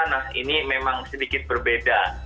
nah ini memang sedikit berbeda